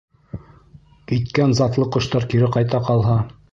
Киткән затлы ҡоштар кире ҡайта ҡалһа...